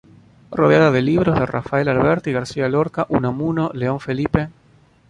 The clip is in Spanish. Rodeada de libros de Rafael Alberti, García Lorca, Unamuno, León Felipe.